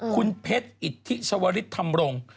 คุณเพชรอิทธิชวริสธรรมรงค์